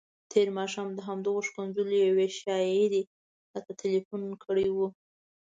تېر ماښام د همدغو ښکنځلو یوې شاعرې راته تلیفون کړی وو.